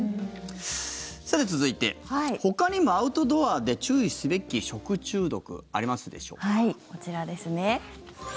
続いて、ほかにもアウトドアで注意すべき食中毒こちらですね。